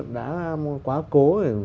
đã quá cố